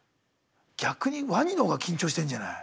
逆にワニの方が緊張してんじゃない。